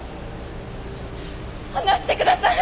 離してください！